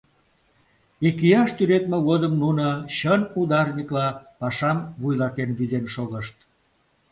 Икияш тӱредме годым нуно чын ударникла пашам вуйлатен-вӱден шогышт.